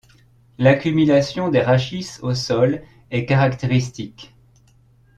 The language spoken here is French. L'accumulation des rachis au sol est caractéristique.